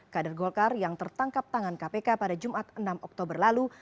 kader golkar yang tertangkap tangan kpk pada jumat enam oktober lalu